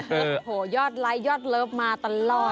โอ้โหยอดไลค์ยอดเลิฟมาตลอด